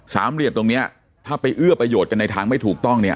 เหลี่ยมตรงเนี้ยถ้าไปเอื้อประโยชน์กันในทางไม่ถูกต้องเนี่ย